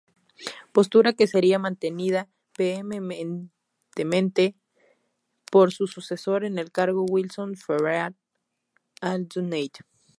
Postura que sería mantenida vehementemente por su sucesor en el cargo, Wilson Ferreira Aldunate.